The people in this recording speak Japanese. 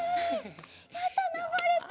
やったのぼれた！